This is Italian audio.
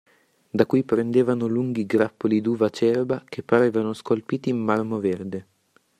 Da cui pendevano lunghi grappoli d'uva acerba che parevano scolpiti in marmo verde.